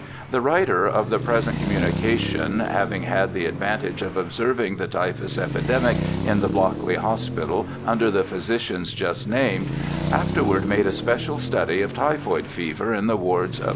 The writer of the present communication, having had the advantage of observing the typhus epidemic m the Blockley Hospital under the physicians just named, afterward made a special study of typhoid fever in the wards of M.